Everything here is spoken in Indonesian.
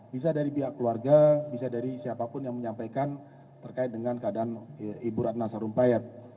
bisa dari pihak keluarga bisa dari siapapun yang menyampaikan terkait dengan keadaan ibu ratna sarumpayat